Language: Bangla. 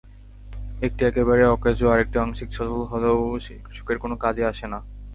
একটি একেবারেই অকেজো, আরেকটি আংশিক সচল হলেও কৃষকের কোনো কাজে আসে না।